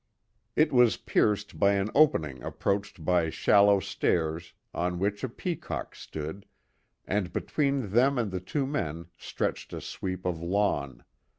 It was pierced by an opening approached by shallow stairs on which a peacock stood, and between them and the two men stretched a sweep of lawn.